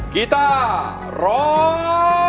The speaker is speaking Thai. กีต้าร้อง